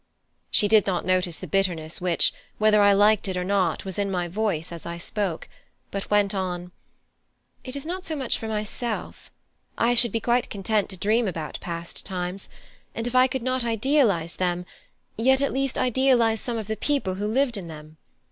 She did not notice the bitterness which, whether I liked it or not, was in my voice as I spoke, but went on: "It is not so much for myself; I should be quite content to dream about past times, and if I could not idealise them, yet at least idealise some of the people who lived in them.